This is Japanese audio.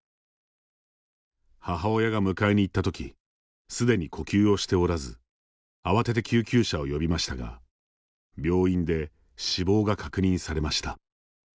母親が迎えに行った時すでに呼吸をしておらず慌てて救急車を呼びましたが病院で死亡が確認されました。